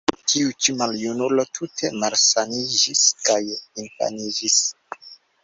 Tiu ĉi maljunulo tute malsaĝiĝis kaj infaniĝis.